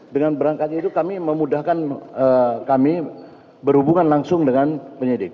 dengan berangkatnya itu kami memudahkan kami berhubungan langsung dengan penyidik